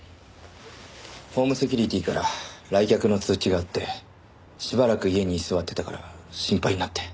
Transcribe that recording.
ホームセキュリティーから来客の通知があってしばらく家に居座ってたから心配になって。